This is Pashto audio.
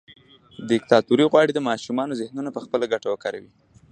دیکتاتوري غواړي د ماشومانو ذهنونه پخپله ګټه وکاروي.